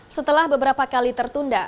setelah beberapa kali tertunda